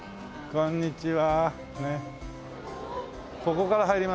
こんにちは。